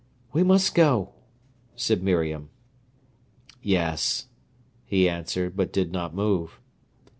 "We must go," said Miriam. "Yes," he answered, but did not move.